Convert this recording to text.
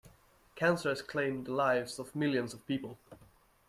Cancer has claimed the lives of millions of people.